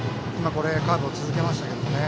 カーブを続けましたけどね。